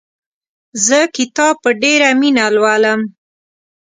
زه کتاب په ډېره مینه لولم.